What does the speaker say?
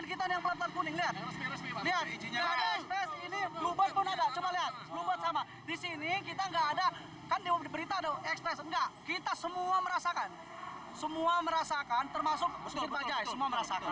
kita semua merasakan semua merasakan termasuk sedikit bajaj semua merasakan